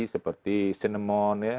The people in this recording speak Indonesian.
seperti cinnamon ya